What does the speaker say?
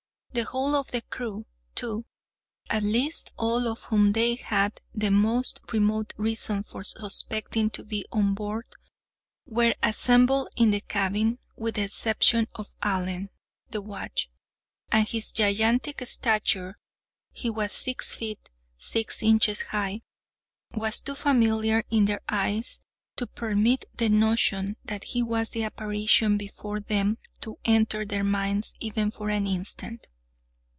The whole of the crew, too—at least all whom they had the most remote reason for suspecting to be on board—were assembled in the cabin, with the exception of Allen, the watch; and his gigantic stature (he was six feet six inches high) was too familiar in their eyes to permit the notion that he was the apparition before them to enter their minds even for an instant.